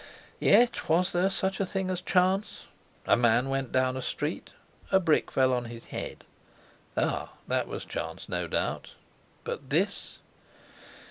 Yet, was there such a thing as chance? A man went down a street, a brick fell on his head. Ah! that was chance, no doubt. But this!